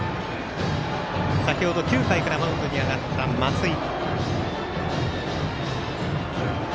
９回からマウンドに上がった、松井。